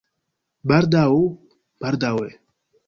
Baldaŭ? Baldaŭe?